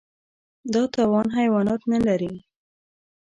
دا توان حیوانات نهلري.